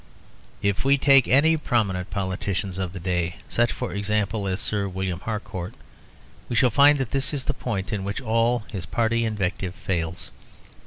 If we take any prominent politician of the day such, for example, as Sir William Harcourt we shall find that this is the point in which all party invective fails.